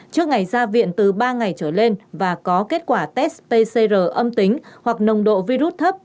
trước ngày ra viện từ ba ngày trở lên và có kết quả test pcr âm tính hoặc nồng độ virus thấp